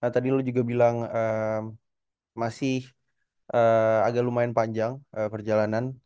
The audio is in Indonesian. tadi lo juga bilang masih agak lumayan panjang perjalanan